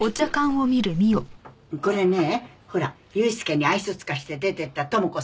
これねほら悠介に愛想尽かして出ていった智子さんがね